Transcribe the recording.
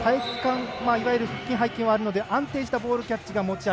腹筋、背筋はあるので安定したボールキャッチが持ち味。